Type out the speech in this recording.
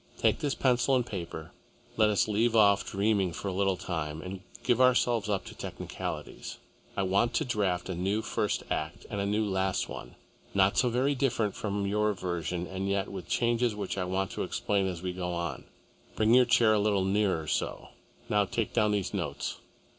Take this pencil and paper. Let us leave off dreaming for a little time and give ourselves up to technicalities. I want to draft a new first act and a new last one, not so very different from your version and yet with changes which I want to explain as we go on. Bring your chair a little nearer so. Now take down these notes."